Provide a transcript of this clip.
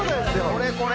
「これこれ！」